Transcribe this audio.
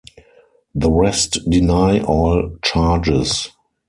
The rest deny all charges.